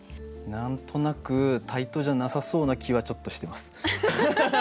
何となく対等じゃなさそうな気はちょっとしてます。